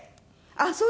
ああそう。